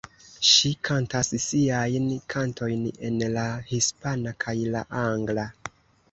Ŝi kantas siajn kantojn en la hispana kaj la angla.